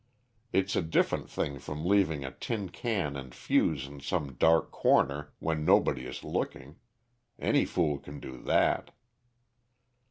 It's a different thing from leaving a tin can and fuse in some dark corner when nobody is looking. Any fool can do that."